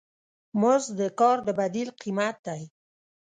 مزد د کار د بدیل قیمت دی.